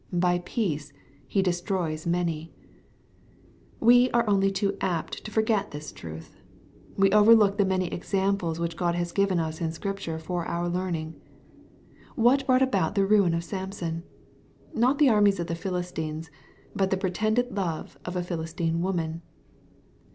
(jBy peace he destroys many^ We are only too apt to forget this truth. We overlook the many examples which God has given us in Scripture for our learning. What brought aboyiiiheruin of Samson ? Not the armies of the Philistines, but the pretended love of a Philistine_woman.